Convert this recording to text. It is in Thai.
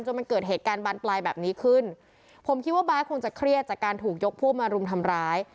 มันเกิดเหตุการณ์บานปลายแบบนี้ขึ้นผมคิดว่าบาสคงจะเครียดจากการถูกยกพวกมารุมทำร้าย